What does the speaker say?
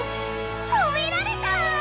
ほめられた！